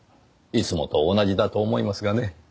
いつもと同じだと思いますがね。